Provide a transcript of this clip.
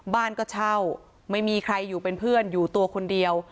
บ้านก็เช่าไม่มีใครอยู่เป็นเพื่อนอยู่ตัวคนเดียว